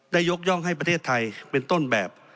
ยกย่องให้ประเทศไทยเป็นต้นแบบ